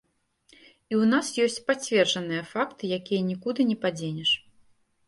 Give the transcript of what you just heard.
І ў нас ёсць пацверджаныя факты, якія нікуды не падзенеш.